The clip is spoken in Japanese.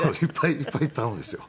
いっぱいいたんですよ。